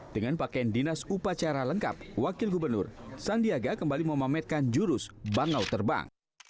dengan pakaian dinas upacara lengkap wakil gubernur sandiaga kembali memametkan jurus bangau terbang